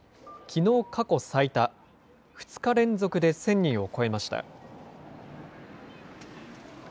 きのう、過去最多、２日連続で１０００人を超えました。